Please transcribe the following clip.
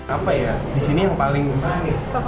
apa ya disini yang paling manis